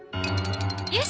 よし！